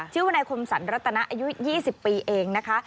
ชื่อว่าในควมศรรษณะอายุ๒๐ปีเองนะคะ